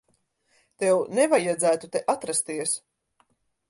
Tev nevajadzētu te atrasties.